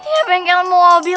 ya bengkel mobil